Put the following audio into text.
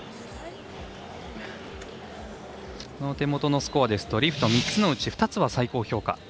手元のスコアですとリフト３つのうち２つは最高評価。